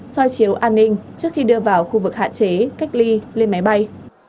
soi chiếu an ninh trước khi đưa vào khu vực hạn chế cách ly lên máy bay